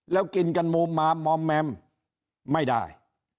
แล้วกินกันมุมมามอมแมมไม่ได้